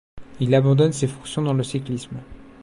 Il abandonne ses fonctions dans le cyclisme.